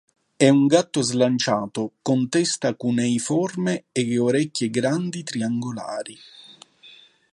È un gatto slanciato, con testa cuneiforme e orecchie grandi, triangolari.